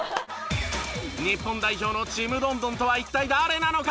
日本代表のちむどんどんとは一体誰なのか？